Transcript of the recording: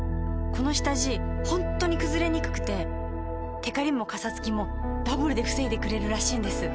この下地ホントにくずれにくくてテカリもカサつきもダブルで防いでくれるらしいんです。